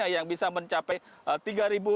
artinya lebih rendah ketimbang hari hari sebelumnya